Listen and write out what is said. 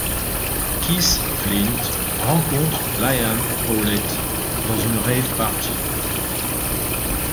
Keith Flint rencontre Liam Howlett dans une rave party.